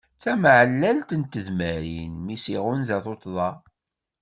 D tameɛlalt n tedmarin mmi-s iɣunza tuṭṭḍa.